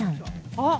あっ！